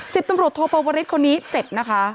สิบตำรวจโทปวริสคนนี้เจ็บนะคะ